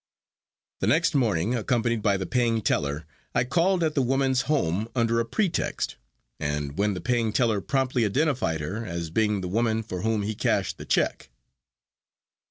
The next morning, accompanied by the paying teller, I called at the woman's home under a pretext, and when the paying teller promptly identified her as being the woman for whom he cashed the check.